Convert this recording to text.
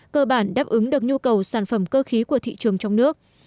cơ bản đáp ứng được nhu cầu sản phẩm cơ khí của thị trường trong nước